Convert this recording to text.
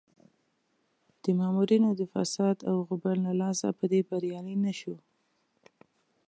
د مامورینو د فساد او غبن له لاسه په دې بریالی نه شو.